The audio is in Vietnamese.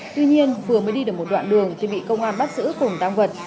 tuy nhiên vừa mới đi được một đoạn đường thì bị công an bắt giữ cùng tăng vật